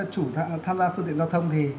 chủ tham gia phương tiện giao thông thì